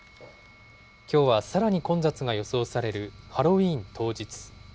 きょうはさらに混雑が予想されるハロウィーン当日。